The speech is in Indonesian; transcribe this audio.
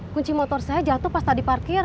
kunci motor saya jatuh pas tadi parkir